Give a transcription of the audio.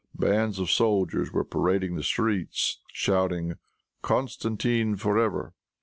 Bands of soldiers were parading the streets shouting, "Constantine for ever."